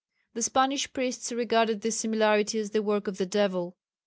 The Spanish priests regarded this similarity as the work of the devil.